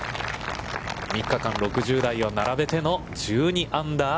３日間６０台を並べての１２アンダー。